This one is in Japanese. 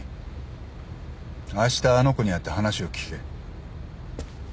あしたあの子に会って話を聞け。